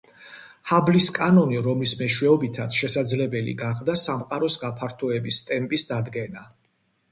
ჰაბლის კანონი, რომლის მეშვეობითაც შესაძლებელი გახდა სამყაროს გაფართოების ტემპის დადგენა.